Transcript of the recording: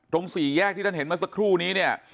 สี่แยกที่ท่านเห็นเมื่อสักครู่นี้เนี่ย